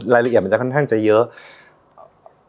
ละเอียดจะค่อนข้างจะเยอะ